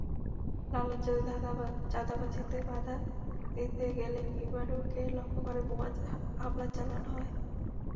লালনদের চাঁদাবাজিতে বাধা দিতে গেলে ইমানুরকে লক্ষ্য করে বোমা হামলা চালানো হয়।